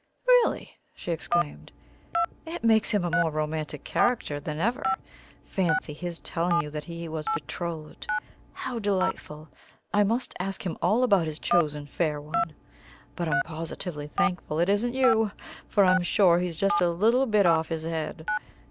"Really!" she exclaimed, "it makes him a more romantic character than ever! Fancy his telling you that he was betrothed! How delightful! I must ask him all about his chosen fair one. But I'm positively thankful it isn't you, for I'm sure he's just a little bit off his head.